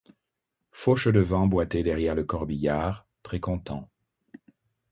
Fauchelevent boitait derrière le corbillard, très content.